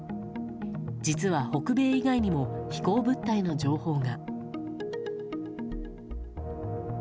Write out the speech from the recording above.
実は、北米以外にも飛行物体の情報が。